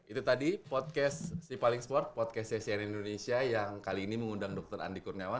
itu tadi podcast sipaling sport podcastnya cnn indonesia yang kali ini mengundang dr andi kurniawan